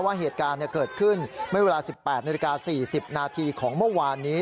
ว่าเหตุการณ์เกิดขึ้นเมื่อเวลา๑๘นาฬิกา๔๐นาทีของเมื่อวานนี้